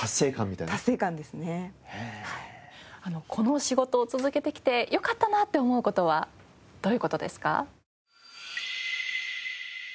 この仕事を続けてきてよかったなって思う事はどういう事ですか？